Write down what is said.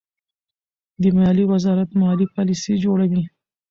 د مالیې وزارت مالي پالیسۍ جوړوي.